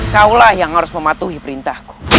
kaulah yang harus mematuhi perintahku